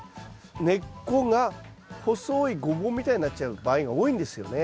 根っこが細いゴボウみたいになっちゃう場合が多いんですよね。